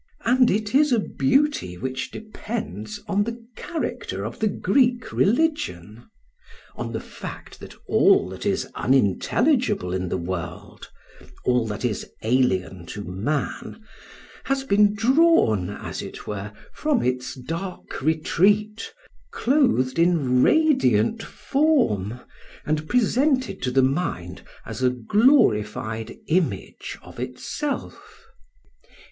And it is a beauty which depends on the character of the Greek religion; on the fact that all that is unintelligible in the world, all that is alien to man, has been drawn, as it were, from its dark retreat, clothed in radiant form, and presented to the mind as a glorified image of itself.